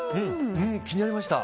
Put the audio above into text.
気になりました。